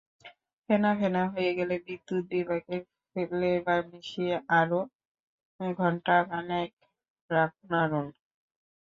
ফেনা ফেনা হয়ে গেলে বিদ্যুৎ বিভাগের ফ্লেভার মিশিয়ে আরও ঘণ্টা খানেক নাড়ুন।